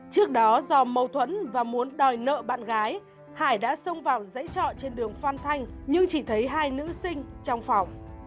trước đó do mâu thuẫn và muốn đòi nợ bạn gái hải đã xông vào dãy trọ trên đường phan thanh nhưng chỉ thấy hai nữ sinh trong phòng